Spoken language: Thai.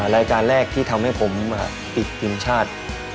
รายการแรกที่ทำให้ผมติดทีมชาติ